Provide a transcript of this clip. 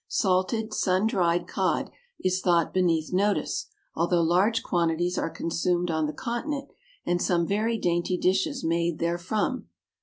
Salted, sun dried cod, is thought beneath notice, although large quantities are consumed on the continent, and some very dainty dishes made therefrom.